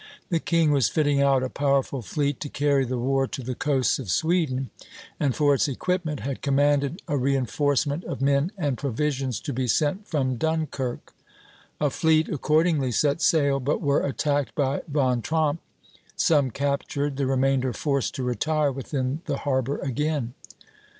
The king was fitting out a powerful fleet to carry the war to the coasts of Sweden, and for its equipment had commanded a reinforcement of men and provisions to be sent from Dunkirk. A fleet accordingly set sail, but were attacked by Von Tromp, some captured, the remainder forced to retire within the harbor again.